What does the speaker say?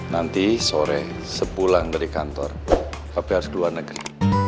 nanti sore sepulang dari kantor tapi harus ke luar negeri